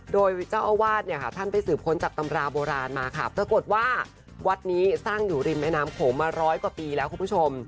โดยเจ้าอาวาสเนี่ยค่ะท่านไปสืบค้นจากตำราโบราณมาค่ะปรากฏว่าวัดนี้สร้างอยู่ริมแม่น้ำโขงมาร้อยกว่าปีแล้วคุณผู้ชม